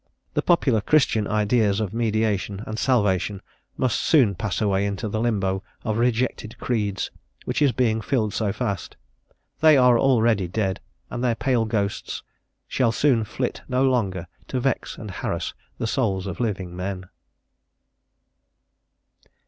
The popular Christian ideas of mediation and salvation must soon pass away into the limbo of rejected creeds which is being filled so fast; they are already dead, and their pale ghosts shall soon flit no longer to vex and harass the souls of living men.